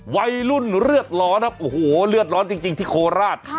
วัยรุ่นเลือดร้อนครับโอ้โหเลือดร้อนจริงที่โคราช